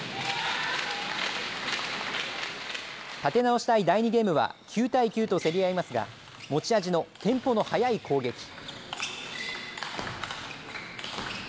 立て直したい第２ゲームは、９対９と競り合いますが、持ち味のテンポの速い攻撃。